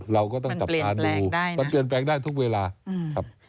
เราก็ต้องจับตาดูมันเปลี่ยนแปลงได้ทุกเวลาครับ